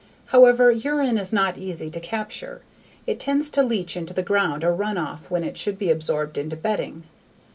However, urine is not easy to capture. It tends to leach into the ground or run off when it should be absorbed into bedding.